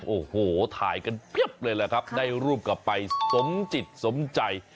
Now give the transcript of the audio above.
โอ้โหถ่ายกันเพียบเลยแหละครับได้รูปกลับไปสมจิตสมใจ